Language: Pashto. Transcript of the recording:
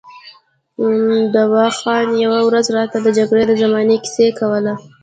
دوا خان یوه ورځ راته د جګړې د زمانې کیسه کوله.